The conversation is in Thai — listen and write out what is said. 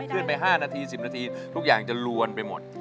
ขึ้นไป๕นาที๑๐นาทีทุกอย่างจะลวนไปหมด